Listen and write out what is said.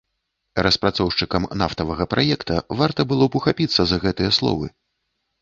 Распрацоўшчыкам нафтавага праекта варта было б ухапіцца за гэтыя словы.